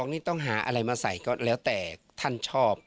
นี่ต้องหาอะไรมาใส่ก็แล้วแต่ท่านชอบ